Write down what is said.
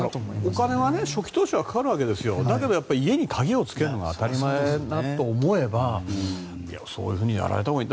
お金は初期投資はかかるわけですよだけど家に鍵をつけるのが当たり前だと思えばそういうふうにやられたほうがいい。